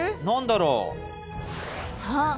何だろう？